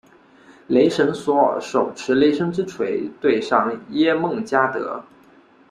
雷神索尔手持雷神之锤对上耶梦加得。